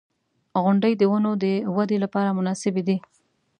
• غونډۍ د ونو د ودې لپاره مناسبې دي.